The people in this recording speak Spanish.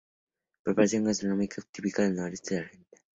Preparación gastronómica típica del Noreste de Argentina.